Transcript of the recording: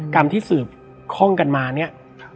กรรมที่สืบคล่องกันมาเนี่ย